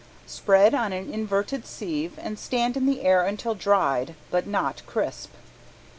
Spread on an inverted sieve and stand in the air until dried, but not crisp.